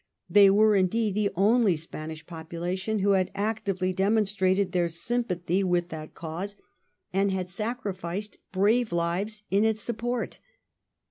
They were, indeed, the only Spanish population who had actively demonstrated their sympathy with that cause, and had sacrificed brave lives in its support.